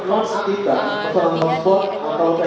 dan tentu kita kepentingan imf yang sekarang kita